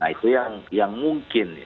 nah itu yang mungkin